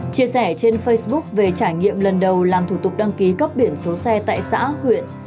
chia sẻ trên facebook về trải nghiệm lần đầu làm thủ tục đăng ký cấp biển số xe tại xã huyện